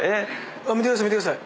見てください見てください。